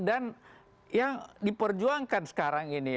dan yang diperjuangkan sekarang ini